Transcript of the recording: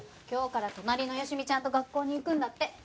今日から隣の好美ちゃんと学校に行くんだって。